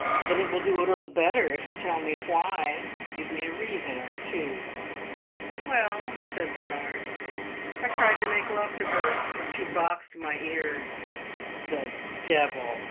But it will do a little better if you will tell me why. Give me a reason or two." "Well," said Bernard, "I tried to make love to her and she boxed my ears." "The devil!"